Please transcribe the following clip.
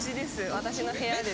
私の部屋です。